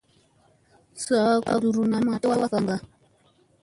Saa kuɗuruna lamma tew a gaŋ kaŋga.